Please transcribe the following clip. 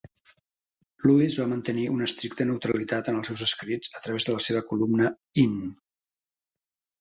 Lewis va mantenir una estricta neutralitat en els seus escrits a través de la seva columna "in".